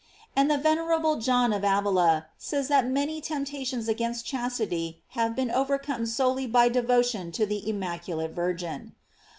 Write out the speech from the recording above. And the venerable John of Avila says that many temptations against chastity have been over come solely by devotion to the immaculate Vir gin.